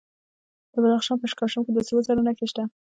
د بدخشان په اشکاشم کې د سرو زرو نښې شته.